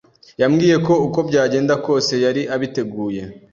Yambwiye ko uko byagenda kose, yari abiteguye.